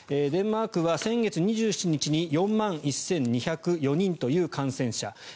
デンマークは先月２７日に４万１２０４人という感染者。